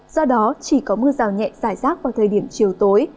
do đó chỉ có mưa rào nhẹ giải rác vào thời điểm chiều tối